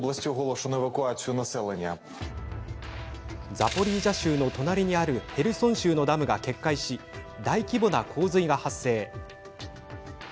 ザポリージャ州の隣にあるヘルソン州のダムが決壊し大規模な洪水が発生。